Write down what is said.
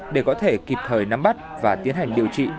để có thể kịp thời nắm bắt và tiến hành điều trị